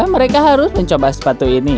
mereka harus mencoba sepatu ini